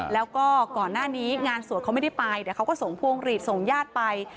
แล้วก็ก่อนหน้านี้งานสวดเขาไม่ได้ไปเดี๋ยวเขาก็ส่งพวงหลีดส่งญาติไป